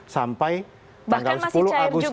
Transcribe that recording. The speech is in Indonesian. sampai tanggal sepuluh agustus